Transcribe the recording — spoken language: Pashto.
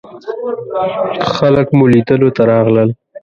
خلک مو لیدلو ته راغلل.